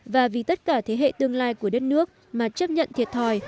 và vì tất cả thế hệ tương lai của đất nước mà chấp nhận thiệt thòi